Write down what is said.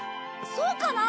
そうかな？